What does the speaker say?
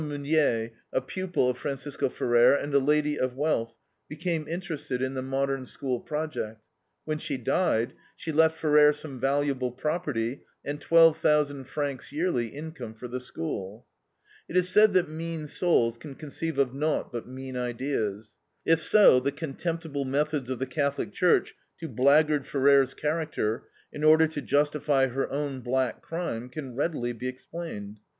Meunier, a pupil of Francisco Ferrer, and a lady of wealth, became interested in the Modern School project. When she died, she left Ferrer some valuable property and twelve thousand francs yearly income for the School. It is said that mean souls can conceive of naught but mean ideas. If so, the contemptible methods of the Catholic Church to blackguard Ferrer's character, in order to justify her own black crime, can readily be explained.